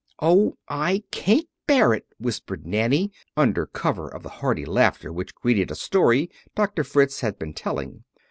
"Oh, I can't bear it!" whispered Nanny, under cover of the hearty laughter which greeted a story Doctor Fritz had been telling.